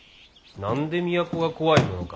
何で都が怖いものか！